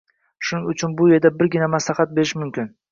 Shuning uchun bu yerda birgina maslahat berish mumkin